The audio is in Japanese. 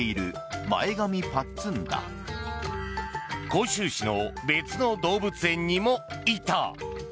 広州市の別の動物園にもいた。